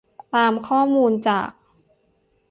ตามข้อมูลจาก